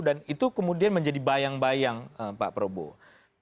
dan itu kemudian menjadi bayang bayang pak prabowo